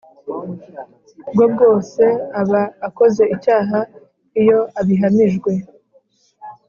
Bwo bwose aba akoze icyaha iyo abihamijwe